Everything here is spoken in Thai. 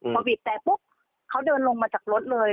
พอบีบแต่ปุ๊บเขาเดินลงมาจากรถเลย